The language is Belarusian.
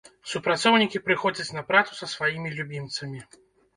Супрацоўнікі прыходзяць на працу са сваімі любімцамі.